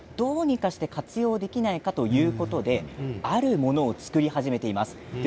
こうした美しい糸をどうにかして活用できないかということであるものを作り始めています。